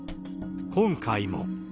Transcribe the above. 今回も。